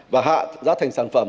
và hạ giá thành sản phẩm